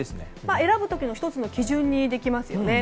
選ぶ時の１つの基準にできますよね。